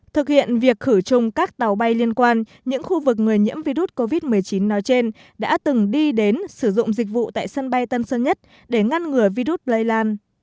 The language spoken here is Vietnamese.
thực hiện việc khử trùng các tàu bay liên quan những khu vực người nhiễm virus covid một mươi chín nói trên đã từng đi đến sử dụng dịch vụ tại sân bay tân sơn nhất để ngăn ngừa virus lây lan